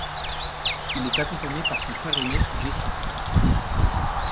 Il y est accompagné par son frère aîné Jesse.